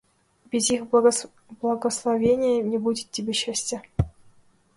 Без их благословения не будет тебе счастия.